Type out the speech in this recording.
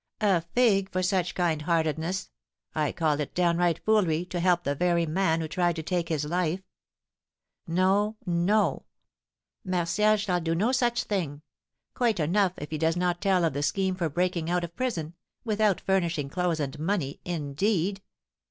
"A fig for such kind heartedness! I call it downright foolery to help the very man who tried to take his life. No, no, Martial shall do no such thing; quite enough if he does not tell of the scheme for breaking out of prison, without furnishing clothes and money, indeed.